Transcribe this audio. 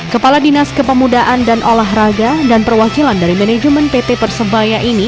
kepala dinas kepemudaan dan olahraga dan perwakilan dari manajemen pt persebaya ini